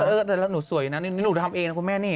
เออแต่ละหนูสวยนะหนูจะทำเองนะคุณแม่นี่